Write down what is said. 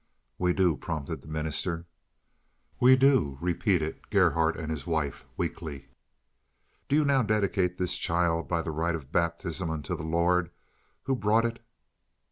"We do," prompted the minister. "We do," repeated Gerhardt and his wife weakly. "Do you now dedicate this child by the rite of baptism unto the Lord, who brought it?"